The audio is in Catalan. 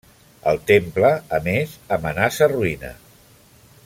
El temple, a més, amenaça ruïna.